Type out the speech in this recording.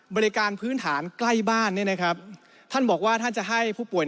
บริการพื้นฐานใกล้บ้านท่านบอกว่าท่านจะให้ผู้ป่วย